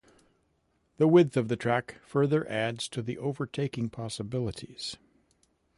The width of the track further adds to the overtaking possibilities.